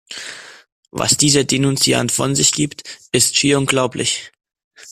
Was dieser Denunziant von sich gibt, ist schier unglaublich!